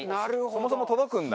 そもそも届くんだ。